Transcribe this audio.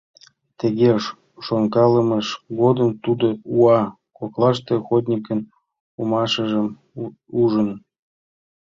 Тыге шонкалымыж годым тудо уа коклаште охотникын омашыжым ужын.